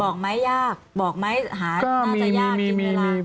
บอกไหมยากบอกไหมหาน่าจะยากกินเวลา